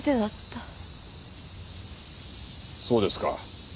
そうですか。